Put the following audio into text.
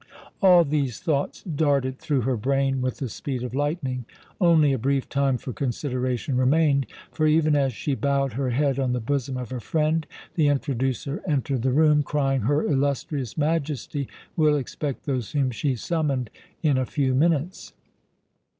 All these thoughts darted through her brain with the speed of lightning. Only a brief time for consideration remained; for, even as she bowed her head on the bosom of her friend, the "introducer" entered the room, crying, "Her illustrious Majesty will expect those whom she summoned in a few minutes!"